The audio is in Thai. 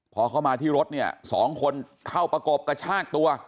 พอเข้ามาที่รถเนี่ยสองคนเข้าประกบกระชากตัว